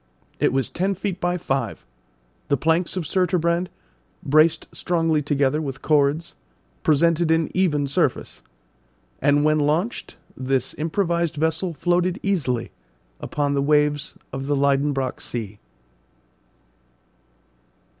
It was ten feet by five; the planks of surturbrand, braced strongly together with cords, presented an even surface, and when launched this improvised vessel floated easily upon the waves of the Liedenbrock Sea.